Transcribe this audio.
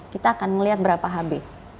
kita akan melihat berapa hb